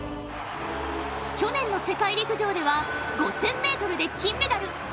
去年の世界陸上では５０００ｍで金メダル。